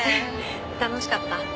楽しかった？